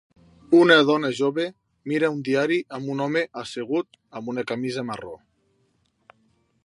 Una dona jove mira un diari amb un home assegut amb una camisa marró